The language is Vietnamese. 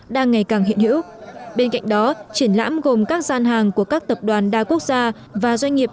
đang ngày càng hiện hữu bên cạnh đó triển lãm gồm các gian hàng của các tập đoàn đa quốc gia và doanh nghiệp